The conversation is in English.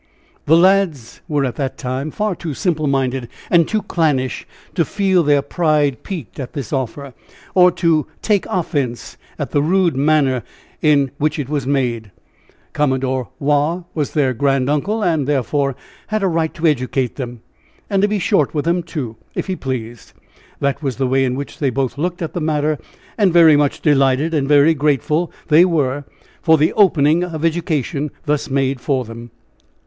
The lads were at that time far too simple minded and too clannish to feel their pride piqued at this offer, or to take offense at the rude manner in which it was made. Commodore Waugh was their grand uncle, and therefore had a right to educate them, and to be short with them, too, if he pleased. That was the way in which they both looked at the matter. And very much delighted and very grateful they were for the opening for education thus made for them.